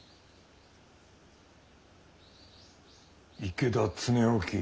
池田恒興